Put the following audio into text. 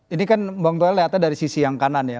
ini kan bang toel lihatnya dari sisi yang kanan ya